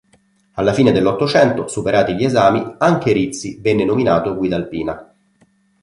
Alla fine dell'Ottocento, superati gli esami, anche Rizzi venne nominato guida alpina.